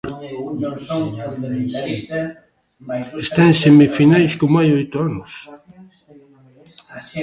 Está en semifinais como hai oito anos.